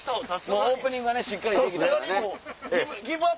オープニングがしっかりできたからね。